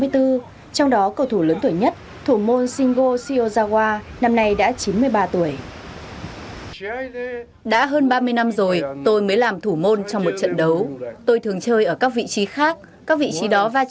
trong đó cầu thủ lớn tuổi nhất thủ môn shingo shiozawa năm nay đã chín mươi ba tuổi